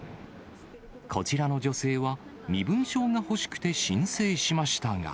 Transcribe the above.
こちらの女性は、身分証が欲しくて申請しましたが。